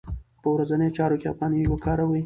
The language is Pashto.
په ورځنیو چارو کې افغانۍ وکاروئ.